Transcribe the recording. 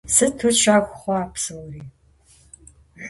Сыту щэху хъуа псори.